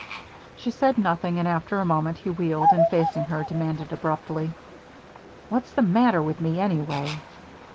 She said nothing, and after a moment he wheeled and, facing her, demanded abruptly: "What's the matter with me, anyway?"